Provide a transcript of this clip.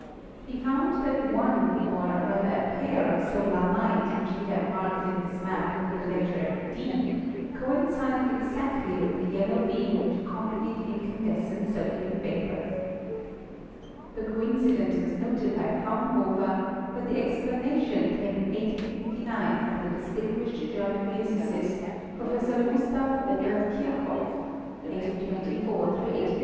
He found that one or rather a pair of solar lines which he had marked in his map with the letter "D" coincided ex actly with the yellow beam which accompanied incandes cent sodium vapor. The coincidence was noted by Fraun hofer, but the explanation came in 1859 from the distin 30 ASTRONOMY guished German physicist, Professor Gustav Robert Kir choff (1824 1887).